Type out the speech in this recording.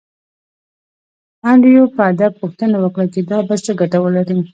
انډریو په ادب پوښتنه وکړه چې دا به څه ګټه ولري